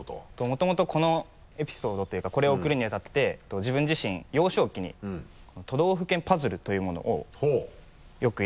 もともとこのエピソードというかこれを送るにあたって自分自身幼少期に都道府県パズルというものをよくやっていて。